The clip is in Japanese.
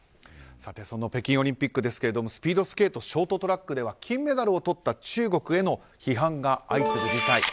そんな北京オリンピックですがスピードスケートショートトラックで金メダルをとった中国への批判が相次ぐ事態。